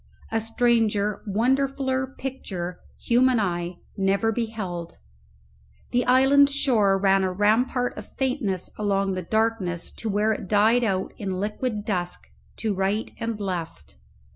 A stranger, wonderfuller picture human eye never beheld. The island shore ran a rampart of faintness along the darkness to where it died out in liquid dusk to right and left.